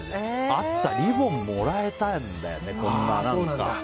あった、リボンもらえたんだよね。